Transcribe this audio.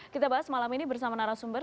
kita bahas malam ini bersama narasumber